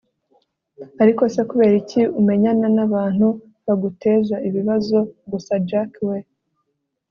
ariko se kuberiki umenyana nabantu baguteza ibibazo gusa jack we!